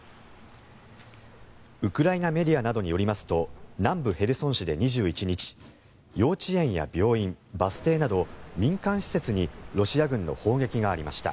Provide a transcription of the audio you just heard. ウクライナメディアなどによりますと南部ヘルソン市で２１日幼稚園や病院、バス停など民間施設にロシア軍の砲撃がありました。